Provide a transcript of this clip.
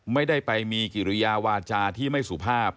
ไม่ได้ไปมีกิริยาวาจาที่ไม่สุภาพ